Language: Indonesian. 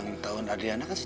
separa dan diganti lagi